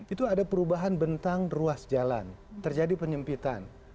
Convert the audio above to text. itu ada perubahan bentang ruas jalan terjadi penyempitan